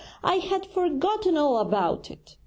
I had forgotten all about it.'